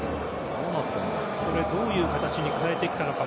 どういう形に変えてきたのか。